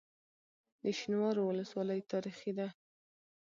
د شینوارو ولسوالۍ تاریخي ده